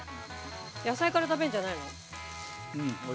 野菜から食べるんじゃないの？